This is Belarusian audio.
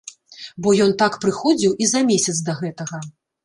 Бо ён так прыходзіў і за месяц да гэтага.